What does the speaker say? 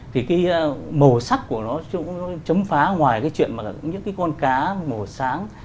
thì cái màu sắc của nó cũng chấm phá ngoài cái chuyện mà những cái con cá màu sáng